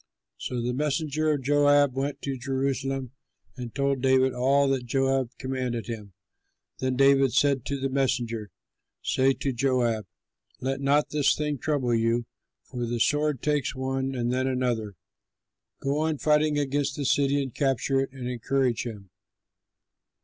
'" So the messenger of Joab went to Jerusalem and told David all that Joab commanded him. Then David said to the messenger, "Say to Joab, 'Let not this thing trouble you, for the sword takes one and then another. Go on fighting against the city and capture it,' and encourage him."